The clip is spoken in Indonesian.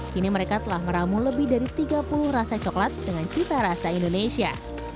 kini mereka telah meramu lebih dari tiga puluh rasa coklat dengan cita rasa indonesia